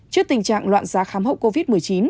trước tình trạng loạn giá khám hậu covid một mươi chín